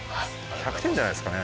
１００点じゃないですかね。